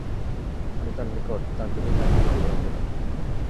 আমি তাঁর নিকট তার দৈহিক আকৃতির বিবরণ দিলাম।